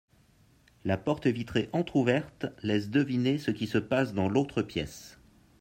La porte vitrée entrouverte laisse deviner ce qui se passe dans l'autre pièce